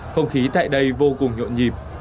không khí tại đây vô cùng nhuận nhịp